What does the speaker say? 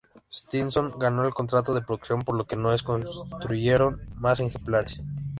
Stinson ganó el contrato de producción, por lo que no se construyeron más ejemplares.